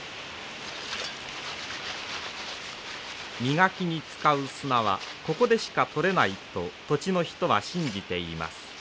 磨きに使う砂はここでしか取れないと土地の人は信じています。